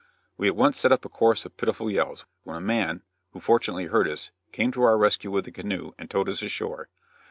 We at once set up a chorus of pitiful yells, when a man, who fortunately heard us, came to our rescue with a canoe and towed us ashore.